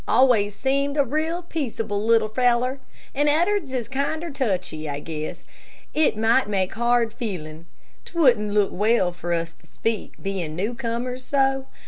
Always seemed a real peaceable little feller. And Ed'ards is kinder touchy, I guess. It might make hard feelin'. 'T wouldn't look well for us to speak, bein' newcomers so.